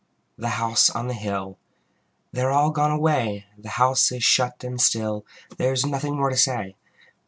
The House on the Hill They are all gone away, The House is shut and still, There is nothing more to say.